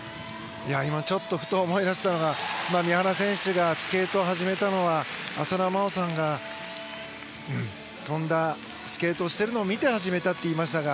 今、ふと思い出したのが三原選手がスケートを始めたのは浅田真央さんがスケートをしているのを見て始めたって言いましたが。